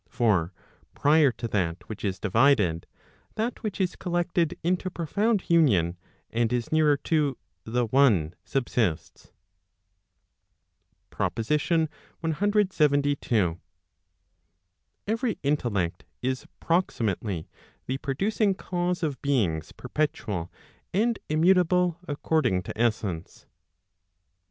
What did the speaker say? For prior to that which is divided, that which is collected into profound union, and is nearer to the one , subsists. PROPOSITION CLXXII. Every intellect is proximately the producing cause of beings perpetual and immutable according to essence.